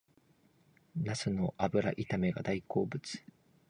ナスの油炒めが大好物